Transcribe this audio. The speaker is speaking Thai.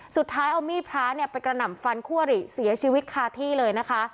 สุดท้ายเอามีดพระเนี่ยไปกระหน่ำฟันคู่อริเสียชีวิตคาที่เลยนะคะ